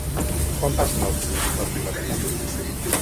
Quan passa l'autobús per Vilaverd?